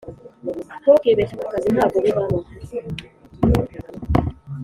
ntukibeshye aka kazi ntago bibamo